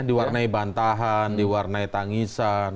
diwarnai bantahan diwarnai tangisan